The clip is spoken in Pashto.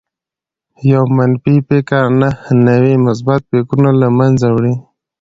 يو منفي فکر نهه نوي مثبت فکرونه لمنځه وړي